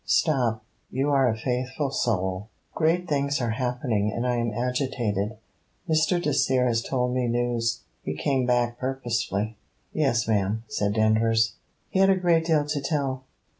Stop; you are a faithful soul. Great things are happening and I am agitated. Mr. Dacier has told me news. He came back purposely.' 'Yes, ma'am,' said Danvers. 'He had a great deal to tell?'